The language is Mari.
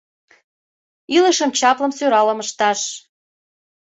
Илышым чаплым, сӧралым ышташ.